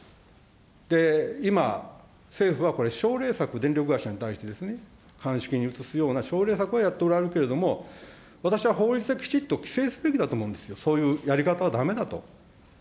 で、今、政府はこれ、奨励策、電力会社に対してですね、乾式に移すような奨励策はやっておられるけれども、私は法律できちっと規制すべきだと思うんですよ、そういうやり方はだめだと。